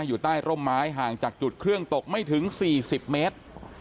อยู่ใต้ร่มไม้ห่างจากจุดเครื่องตกไม่ถึง๔๐เมตร